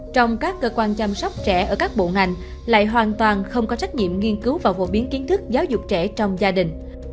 trong các cơ quan chăm sóc trẻ ở các bộ ngành lại hoàn toàn không có trách nhiệm nghiên cứu và phổ biến kiến thức giáo dục trẻ trong gia đình